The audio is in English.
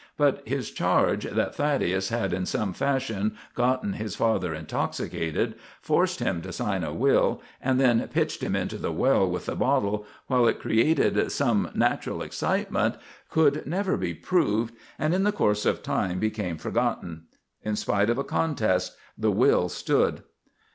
But his charge, that Thaddeus had in some fashion gotten his father intoxicated, forced him to sign a will, and then pitched him into the well with the bottle, while it created some natural excitement, could never be proved, and in the course of time became forgotten. In spite of a contest, the will stood.